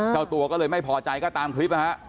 เจ้าตัวก็เลยไม่พอใจก็ตามคลิปนะฮะ